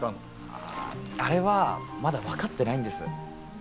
あああれはまだ分かってないんですよ。